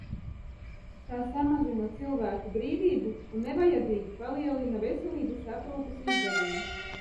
Tā samazina cilvēku brīvību un nevajadzīgi palielina veselības aprūpes izdevumus.